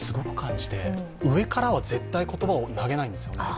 上からは絶対言葉を投げないんですよね。